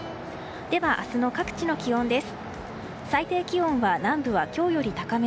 では、明日の各地の気温です。